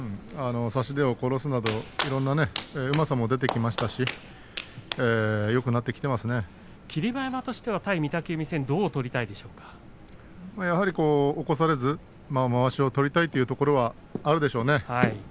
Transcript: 差し手を殺すなどいろんなうまさも出てきましたし霧馬山としては対御嶽海戦やはり起こされずまわしを取りたいというところはあるでしょうね。